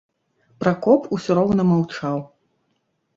Пракоп усё роўна маўчаў.